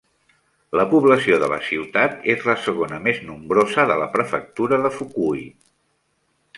La població de la ciutat és la segona més nombrosa de la prefectura de Fukui.